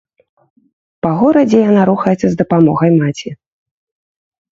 Па горадзе яна рухаецца з дапамогай маці.